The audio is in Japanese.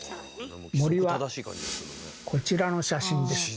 森はこちらの写真です。